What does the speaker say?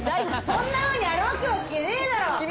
そんなふうに歩くわけねえだろ！